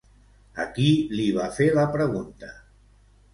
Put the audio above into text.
A qui li va fer la pregunta?